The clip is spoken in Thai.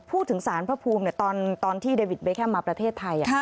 พูดถึงสารพระภูมิตอนที่เดวิดเบแคมมาประเทศไทย